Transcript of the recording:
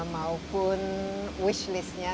maupun wish listnya